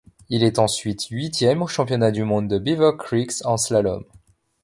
Il est ensuite huitième aux Championnats du monde de Beaver Creek en slalom.